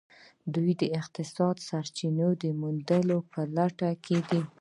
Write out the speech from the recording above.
دوی د اقتصادي سرچینو د موندلو په لټه کې دي